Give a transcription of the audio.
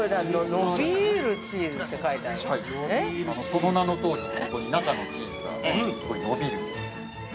◆その名のとおり中のチーズがすごい伸びる。